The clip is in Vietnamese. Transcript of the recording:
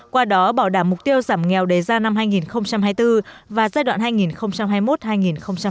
qua đó bảo đảm mục tiêu giảm nghèo đề ra năm hai nghìn hai mươi bốn và giai đoạn hai nghìn hai mươi một hai nghìn hai mươi năm